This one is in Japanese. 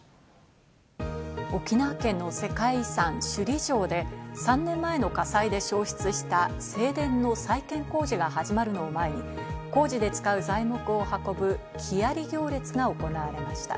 沖縄県の世界遺産・首里城で、３年前の火災で焼失した正殿の再建工事が始まるのを前に工事で使う材木を運ぶ木遣行列が行われました。